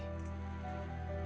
rustam memilih merawat kayu putih